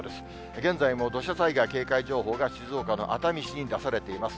現在も土砂災害警戒情報が静岡の熱海市に出されています。